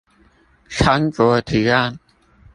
參酌提案